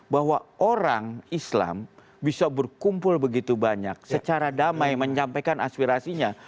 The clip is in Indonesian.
bahwa orang islam bisa berkumpul begitu banyak secara damai menyampaikan aspirasinya